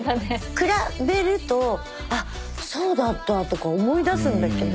比べるとあっそうだったとか思い出すんだけど。